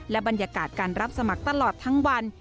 บรรยากาศการรับสมัครตลอดทั้งวัน